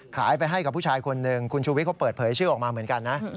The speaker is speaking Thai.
ขายไปให้กับผู้ชายคนหนึ่งคุณชูวิทยเขาเปิดเผยชื่อออกมาเหมือนกันนะ